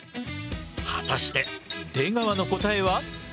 果たして出川の答えは？